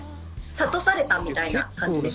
諭されたみたいな感じです。